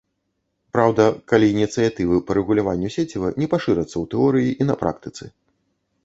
Праўда, калі ініцыятывы па рэгуляванню сеціва не пашырацца ў тэорыі і на практыцы.